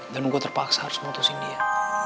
dan gue terpaksa harus memutusin dia